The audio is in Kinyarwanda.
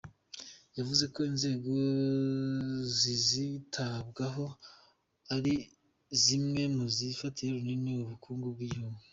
Yavuze ko inzego zizitabwaho ari zimwe mu zifatiye runini ubukungu bw’igihugu.